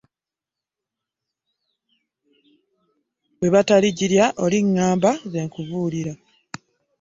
Bwebatalijirya olingamba nze nkubulira .